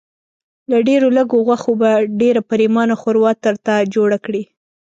له ډېرو لږو غوښو به ډېره پرېمانه ښوروا درته جوړه کړي.